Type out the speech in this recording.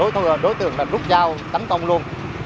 thì đối tượng rút dao tấn công luôn